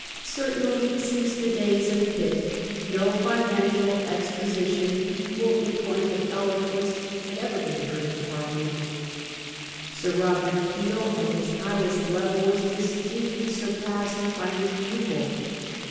Certainly since the days of Pitt no financial composition equal in point of eloquence had ever been heard in Parliament. Sir Robert Peel at his highest level was distinctly surpassed by his pupil.